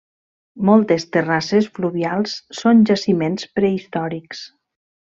Moltes terrasses fluvials són jaciments prehistòrics.